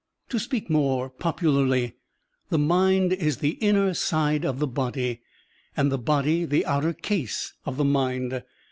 To speak more popularly, the mind is the inner side of the body and the body the outer case of the mind.